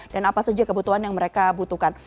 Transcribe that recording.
apa saja kebutuhan yang mereka butuhkan